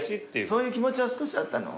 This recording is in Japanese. そういう気持ちは少しあったの？